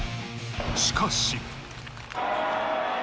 しかし。